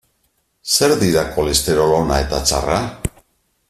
Zer dira kolesterol ona eta txarra?